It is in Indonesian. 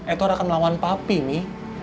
edward akan melawan papih mi